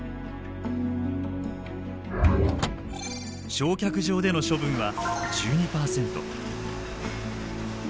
焼却場での処分は１２％。